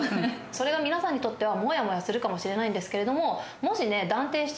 それが皆さんにとってはモヤモヤするかもしれないんですけれども。